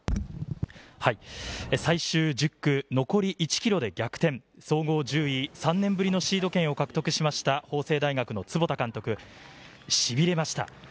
最終１０区、残り１ｋｍで逆転、総合１０位、３年ぶりのシード権を獲得した法政大学の坪田監督、しびれました。